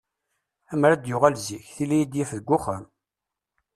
Amer d-yuɣal zik, tili ad iyi-d-yaf deg uxxam.